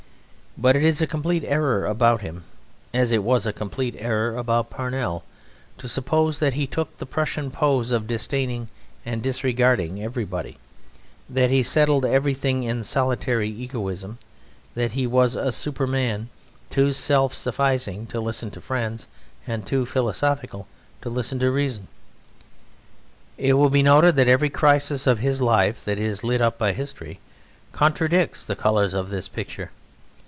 But it is a complete error about him, as it was a complete error about Parnell, to suppose that he took the Prussian pose of disdaining and disregarding everybody; that he settled everything in solitary egoism; that he was a Superman too self sufficing to listen to friends and too philosophical to listen to reason. It will be noted that every crisis of his life that is lit up by history contradicts the colours of this picture.